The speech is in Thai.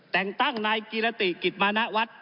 แต่งตั้งนายกินตรติกิฎมานะวัด